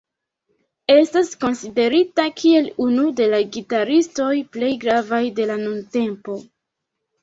Estas konsiderita kiel unu de la gitaristoj plej gravaj de la nuntempo.